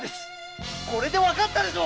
これでわかったでしょう！